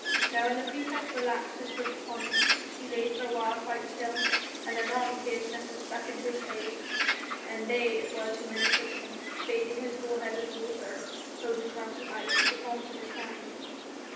Now when the praefect relaxed his grip upon him, he lay for a while quite still, and anon Caius Nepos beckoned to his slaves, and they it was who ministered to him, bathing his forehead with water and holding lumps of ice to the palms of his hands.